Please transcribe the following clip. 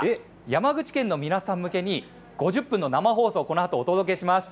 山口県の皆さん向けに、５０分の生放送をこのあとお届けします。